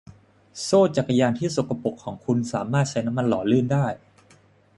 โซ่จักรยานที่สกปรกของคุณสามารถใช้น้ำมันหล่อลื่นได้